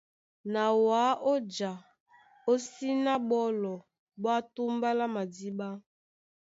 Na wǎ ó ja ó síná á ɓólɔ ɓwá túmbá lá madíɓá.